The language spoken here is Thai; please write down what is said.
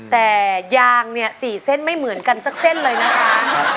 แต่ยางเนี่ย๔เส้นไม่เหมือนกันสักเส้นเลยนะคะ